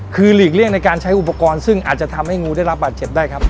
คือหลีกเลี่ยงในการใช้อุปกรณ์ซึ่งอาจจะทำให้งูได้รับบาดเจ็บได้ครับ